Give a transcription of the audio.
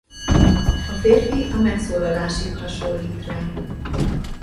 A férfi a megszólalásig hasonlít rá.